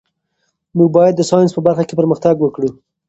موږ باید د ساینس په برخه کې پرمختګ وکړو.